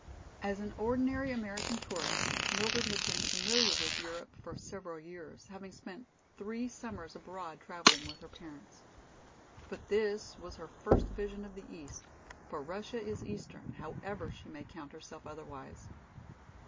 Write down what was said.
As an ordinary American tourist, Mildred had been familiar with Europe for several years, having spent three summers abroad traveling with her parents. But this was her first vision of the East, for Russia is eastern, however she may count herself otherwise.